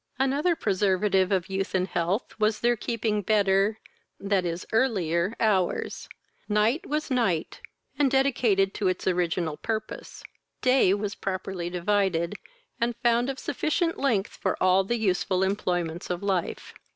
Another preservative of youth and health was their keeping better, that is, earlier hours. Night was night, and dedicated to its original purpose. Day was properly divided, and found of sufficient length for all the useful employments of life.